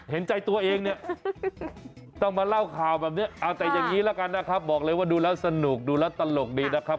เห็นใจตัวเองเนี่ยต้องมาเล่าข่าวแบบนี้เอาแต่อย่างนี้ละกันนะครับบอกเลยว่าดูแล้วสนุกดูแล้วตลกดีนะครับ